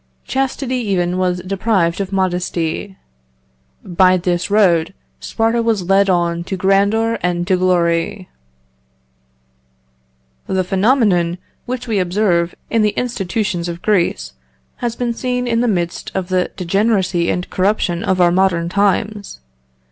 Chastity even was deprived of modesty. By this road Sparta was led on to grandeur and to glory. "The phenomenon which we observe in the institutions of Greece has been seen in the midst of the degeneracy and corruption of our modern times.